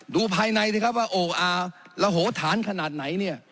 ดูภายในสิครับว่าโออาระโหฐานขนาดไหนเนี่ย